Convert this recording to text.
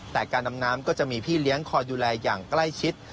แต่การดำน้ำก็จะมีพี่เลี้ยงคอยดูแลอย่างใกล้ชิด